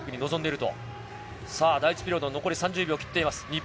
第１ピリオド、残り３０秒を切っています。